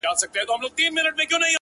هغه نن بيا د چا د ياد گاونډى؛